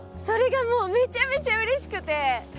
それがもうめちゃめちゃうれしくて。